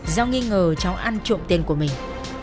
do nghi ngờ cháu ăn trộm tên của mình